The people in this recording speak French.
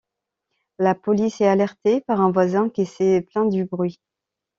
La police est alertée par un voisin qui s'est plaint du bruit.